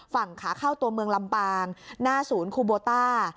ฝั่งขาเข้าตัวเมืองลำปางหน้าศูนย์คูโบต้า